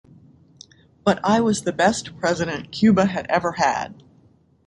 But I was the best president Cuba ever had.